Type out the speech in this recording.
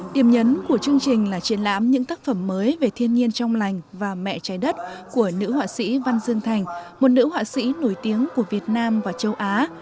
điểm nhấn của chương trình là triển lãm những tác phẩm mới về thiên nhiên trong lành và mẹ trái đất của nữ họa sĩ văn dương thành một nữ họa sĩ nổi tiếng của việt nam và châu á